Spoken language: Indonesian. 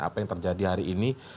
apa yang terjadi hari ini